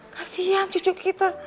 kasihan cucu kita